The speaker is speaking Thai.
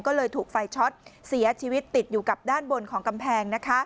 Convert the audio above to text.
ก็เลยถูกไฟช็อตเสียชีวิตติดอยู่กับด้านบนของกำแพง